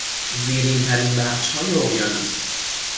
زیرینترین بخشهای اقیانوس